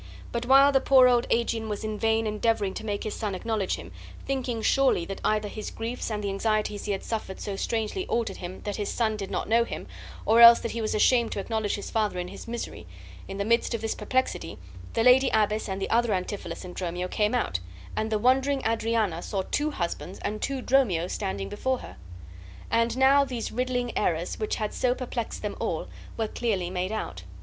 But while the poor old Aegeon was in vain endeavoring to make his son acknowledge him, thinking surely that either his griefs and the anxieties he had suffered had so strangely altered him that his son did not know him or else that he was ashamed to acknowledge his father in his misery in the midst of this perplexity the lady abbess and the other Antipholus and Dromio came out, and the wondering Adriana saw two husbands and two Dromios standing before her. And now these riddling errors, which had so perplexed them all, were clearly made out.